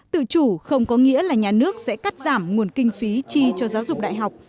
tự chủ không có nghĩa là nhà nước sẽ cắt giảm nguồn kinh phí chi cho giáo dục đại học